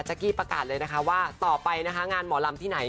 กี้ประกาศเลยนะคะว่าต่อไปนะคะงานหมอลำที่ไหน